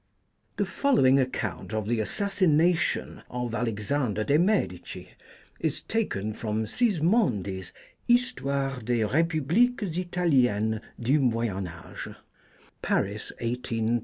THE following account of the assassination of Alexander de' Medici is taken from Sismondi's Histoire des Rt publiques Italiennes du Moyen Age, Paris, 1826, vol.